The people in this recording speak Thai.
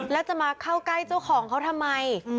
แล้วจะมาเข้าใกล้เจ้าของเขาทำไม